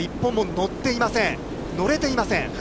乗れていません。